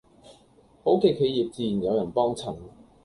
好嘅企業自然有人幫襯